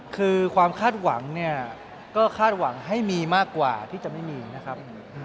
คือความคาดหวังเนี่ยก็คาดหวังให้มีมากกว่าที่จะไม่มีนะครับ